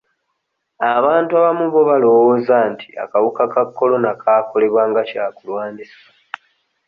Abantu abamu bo balowooza nti akawuka ka Corona kaakolebwa nga kyakulwanisa.